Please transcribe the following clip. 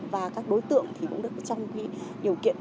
và các đối tượng thì cũng được trong điều kiện